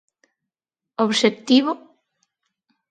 Obxectivo?